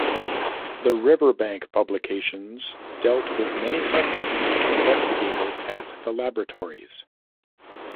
The Riverbank Publications dealt with many subjects investigated at the laboratories.